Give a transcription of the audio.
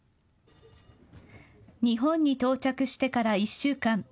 日本に到着してから１週間。